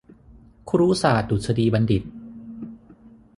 คุรุศาสตรดุษฎีบัณฑิต